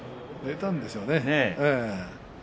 出たんでしょうね。